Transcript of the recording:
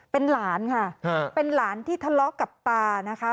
เป็นหลานค่ะเป็นหลานที่ทะเลาะกับตานะคะ